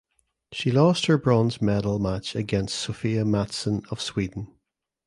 She lost her bronze medal match against Sofia Mattsson of Sweden.